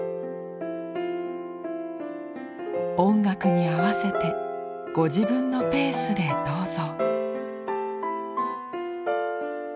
音楽に合わせてご自分のペースでどうぞ。